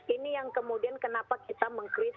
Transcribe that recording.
ini yang kemudian kenapa kita mengkritik